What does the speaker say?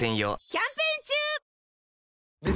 キャンペーン中！